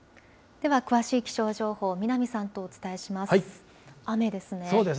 では詳しい気象情報、南さんとお伝えします。